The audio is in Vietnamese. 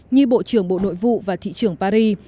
như bộ trưởng bộ nội vụ và thị trường paris